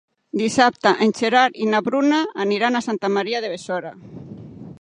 Dissabte en Gerard i na Bruna aniran a Santa Maria de Besora.